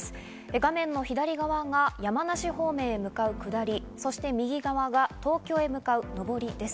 画面左側が山梨方面へ向かう下り、右側が東京へ向かう上りです。